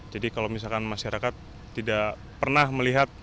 jadi kalau misalkan masyarakat tidak pernah melihat